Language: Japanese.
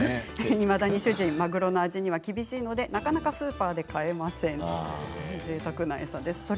いまだ主人はマグロのの味には厳しいのでなかなかスーパーでは買えませんということです。